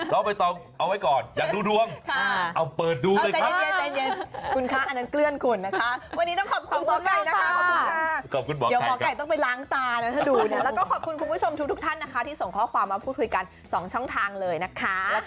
ถ้าแล้วก็ขอบคุณผู้ชมทุกท่านนะคะที่ส่งข้อความพูดคุยกันสองช่องทางเลยนะคะ